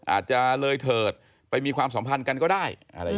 อาจจะเลยเถิดไปมีความสัมพันธ์กันก็ได้